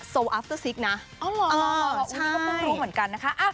โซว์อัฟเตอร์ซิกนะอ๋อใช่อุณิก็ต้องรู้เหมือนกันนะคะ